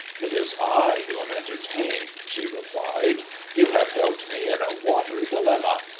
"It is I who am entertained," she replied. "You have helped me in a watery dilemma.